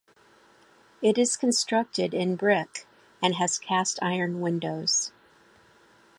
It is constructed in brick and has cast iron windows.